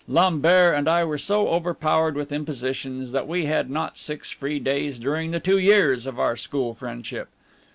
Lambert and I were so overpowered with impositions, that we had not six free days during the two years of our school friendship.